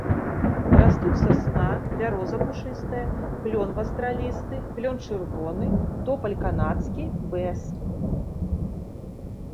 Растуць сасна, бяроза пушыстая, клён вастралісты, клён чырвоны, топаль канадскі, бэз.